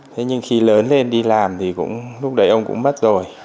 thế nhưng khi lớn lên đi làm thì cũng lúc đấy ông cũng mất rồi